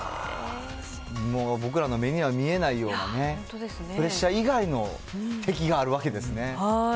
もう僕らの目には見えないようなね、プレッシャー以外の敵があるわけですね。